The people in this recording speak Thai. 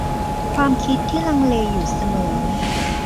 ความคิดที่ลังเลอยู่เสมอ